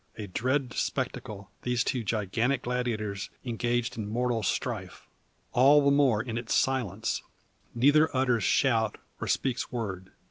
A dread spectacle these two gigantic gladiators engaged in mortal strife! All the more in its silence. Neither utters shout, or speaks word.